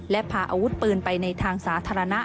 และพาอาวุธปืนไปในทางสาธารณะ